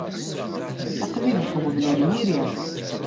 Aql-i deg uɣbel ar yiri.